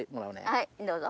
はいどうぞ。